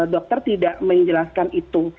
dokter tidak menjelaskan itu